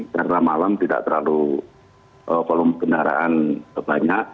karena malam tidak terlalu kolom kendaraan banyak